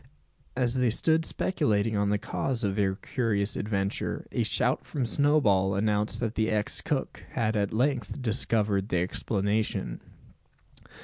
As they stood speculating on the cause of their curious adventure, a shout from Snowball announced that the ex cook had at length discovered the explanation.